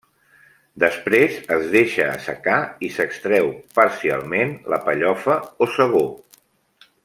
Després es deixa assecar i s'extreu, parcialment, la pellofa o segó.